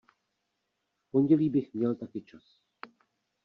V pondělí bych měl taky čas.